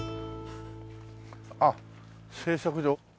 あっ製作所。